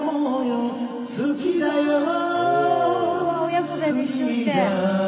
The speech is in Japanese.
親子で熱唱して。